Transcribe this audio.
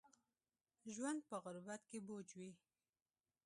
ژوند په غربت کې بوج وي